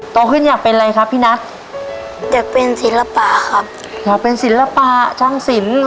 โตขึ้นอยากเป็นอะไรครับพี่นัทอยากเป็นศิลปะครับอยากเป็นศิลปะช่างศิลป์